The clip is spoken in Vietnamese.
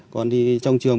còn thì trong trường